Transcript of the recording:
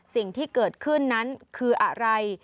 สิ่งที่เกิดขึ้นนั้นคืออะไร